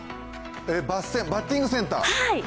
バッセン、バッティングセンター？